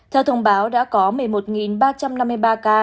theo thông báo đã có một mươi một ba trăm năm mươi ba ca